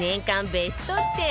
ベスト１０